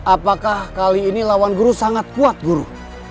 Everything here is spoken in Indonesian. apakah kali ini lawan guru sangat kuat guru